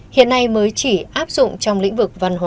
hiện nay mới chỉ áp dụng trong lĩnh vực văn hóa